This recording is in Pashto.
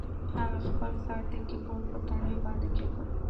هغه خپل سر د کیبورډ په تڼیو باندې کیښود